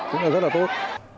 cũng là rất là tốt